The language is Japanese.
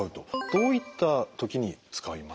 どういった時に使いますか？